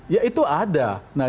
ya itu ada